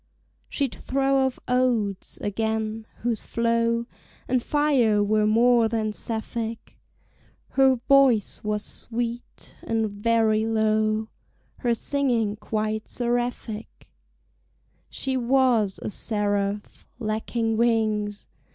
She'd throw off odes, again, whose flow And fire were more than Sapphic; Her voice was sweet, and very low; Her singing quite seraphic: She was a seraph, lacking wings.